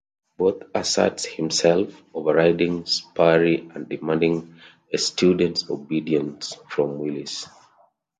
Booth asserts himself, overriding Sperry and demanding a student's obedience from Willis.